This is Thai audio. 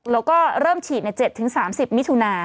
แล้วก็เริ่มฉีดใน๗๓๐มิถุนา